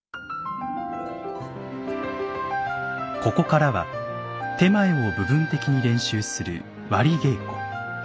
ここからは点前を部分的に練習する「割り稽古」。